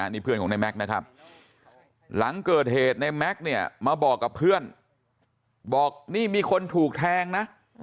นี่เพื่อนของในแม็กซ์นะครับหลังเกิดเหตุในแม็กซ์เนี่ยมาบอกกับเพื่อนบอกนี่มีคนถูกแทงนะ